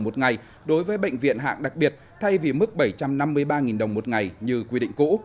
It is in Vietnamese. một ngày đối với bệnh viện hạng đặc biệt thay vì mức bảy trăm năm mươi ba đồng một ngày như quy định cũ